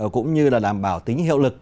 cũng như là đảm bảo tính hiệu lực